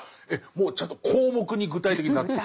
もうちゃんと項目に具体的になってる？